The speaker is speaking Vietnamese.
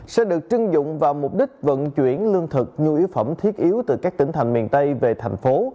sẽ được trưng dụng vào mục đích vận chuyển lương thực nhu yếu phẩm thiết yếu từ các tỉnh thành miền tây về thành phố